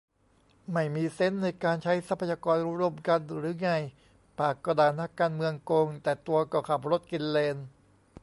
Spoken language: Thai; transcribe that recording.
ไม่มีเซนส์ในการใช้ทรัพยากรร่วมกันหรือไง ปากก็ด่านักการเมืองโกง แต่ตัวก็ขับรถกินเลน